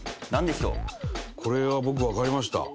伊達：これは僕、わかりました。